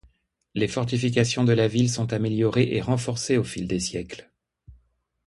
Les fortifications de la ville sont améliorées et renforcées au fil des siècles.